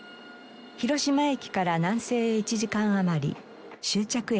広島駅から南西へ１時間余り終着駅です。